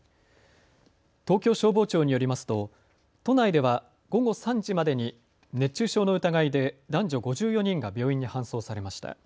東京消防庁によりますと都内では午後３時までに熱中症の疑いで男女５４人が病院に搬送されました。